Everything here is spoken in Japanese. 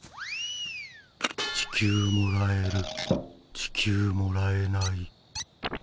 地球もらえる地球もらえない。